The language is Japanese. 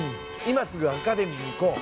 今すぐアカデミーに行こう！